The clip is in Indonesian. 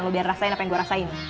lo biar rasain apa yang gue rasain